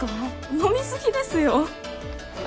飲みすぎですよ